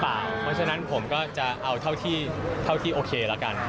เพราะฉะนั้นผมก็จะเอาเท่าที่โอเคละกัน